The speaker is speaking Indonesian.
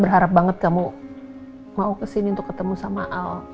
sangat kamu mau kesini untuk ketemu sama al